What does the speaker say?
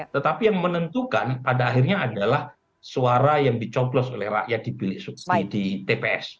tetapi yang menentukan pada akhirnya adalah suara yang dicoblos oleh rakyat di tps